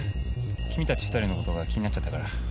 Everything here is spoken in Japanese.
君たち２人のことが気になっちゃったから。